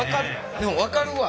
でも分かるわ。